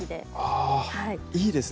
ああいいですね。